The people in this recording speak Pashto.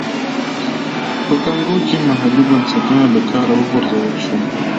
په کانګو کې محلي بنسټونه له کاره وغورځول شول.